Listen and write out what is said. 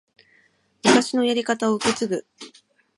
昔のやり方を受け継ぐ